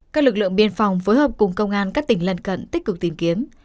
các lực lượng biên phòng phối hợp cùng công an các tỉnh lân cận tích cực tìm kiếm